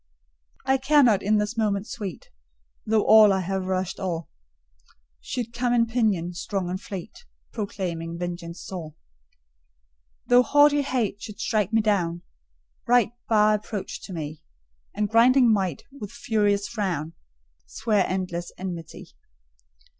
I care not in this moment sweet, Though all I have rushed o'er Should come on pinion, strong and fleet, Proclaiming vengeance sore: Though haughty Hate should strike me down, Right, bar approach to me, And grinding Might, with furious frown, Swear endless enmity.